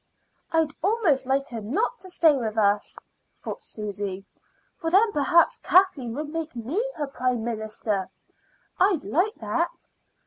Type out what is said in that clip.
"I'd almost like her not to stay with us," thought Susy; "for then perhaps Kathleen would make me her Prime Minister. I'd like that.